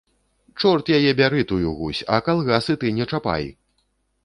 Чорт яе бяры тую гусь, а калгасы ты не чапай!